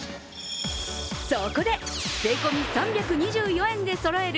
そこで、税込み３２４円でそろえる